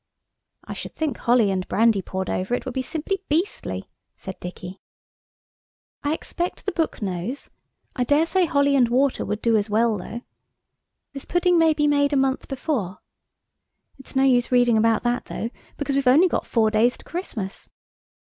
'" "I should think holly and brandy poured over it would be simply beastly," said Dicky. "I expect the book knows. I daresay holly and water would do as well though. 'This pudding may be made a month before'–it's no use reading about that though, because we've only got four days to Christmas."